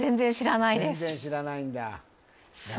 全然知らないんだいや